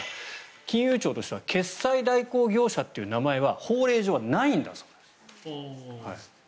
金融庁としては決済代行業者という名前は法令上はないんだそうです。